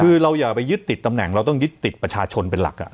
คือเราอย่าไปยึดติดตำแหน่งเราต้องยึดติดประชาชนเป็นหลัก